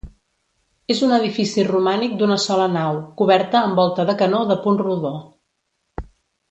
És un edifici romànic d'una sola nau, coberta amb volta de canó de punt rodó.